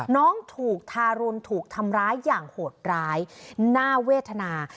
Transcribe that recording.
น้องถูกทารุณถูกทำร้ายอย่างโหดร้ายน่าเวทนา